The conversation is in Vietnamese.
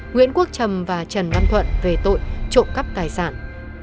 nguyễn quốc trầm và trần văn thuận về tội trộm cắp tài sản